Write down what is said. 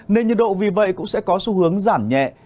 nên nhiệt độ vì vậy cũng sẽ có xu hướng giảm nhẹ